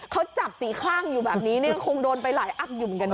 เขาจับสีคลั่งอยู่แบบนี้ก็คงโดนไปหลายอักอยู่เหมือนกันนะ